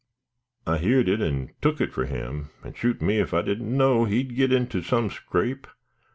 "I heerd it, an' took it for him; and, shoot me, if I didn't know he'd get into some scrape."